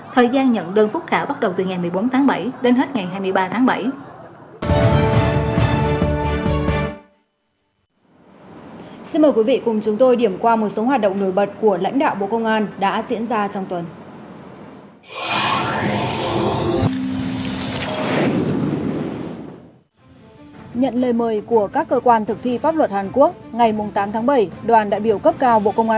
thời gian nhận đơn phúc khảo bắt đầu từ ngày một mươi bốn tháng bảy đến hết ngày hai mươi ba tháng bảy